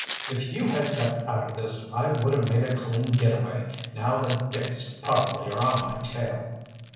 "If you had kept out of this I would have made a clean get away! Now the dicks probably are on my tail!"